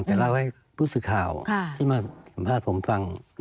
แต่เล่าให้ผู้สื่อข่าวที่มาสัมภาษณ์ผมฟัง